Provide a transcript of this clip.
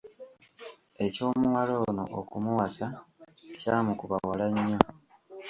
Eky'omuwala ono okumuwasa kyamukuba wala nnyo.